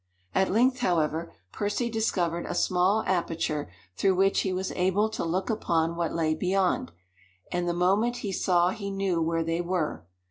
At length, however, Percy discovered a small aperture through which he was able to look upon what lay beyond; and the moment he saw he knew where they were.